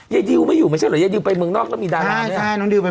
ก็มีดาราด้วยใช่ใช่น้องดิวไปเมืองนอกในดารามีดาราด้วยแม่